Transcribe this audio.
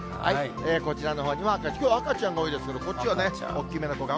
こちらのほうには、きょう赤ちゃんが多いですけれども、こっちには大きめな子が。